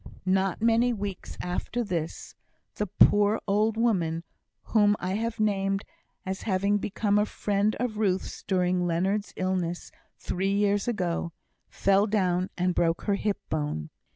Not many weeks after this, the poor old woman whom I have named as having become a friend of Ruth's, during Leonard's illness three years ago, fell down and broke her hip bone.